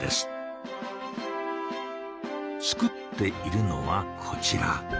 作っているのはこちら。